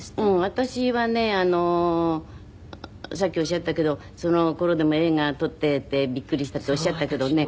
私はねさっきおっしゃったけどその頃でも映画撮っていてびっくりしたっておっしゃったけどね